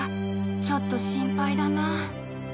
ちょっと心配だな。